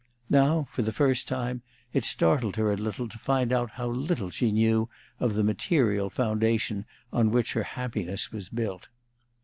Now, for the first time, it startled her a little to find how little she knew of the material foundation on which her happiness was built.